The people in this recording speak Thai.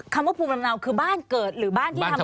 คำว่าภูมิลำเนาคือบ้านเกิดหรือบ้านที่ทำ